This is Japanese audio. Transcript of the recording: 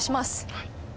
はい。